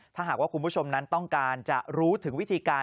ถ้าหากว่าคุณผู้ชมนั้นต้องการจะรู้ถึงวิธีการ